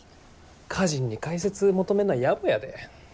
歌人に解説求めんのはやぼやで。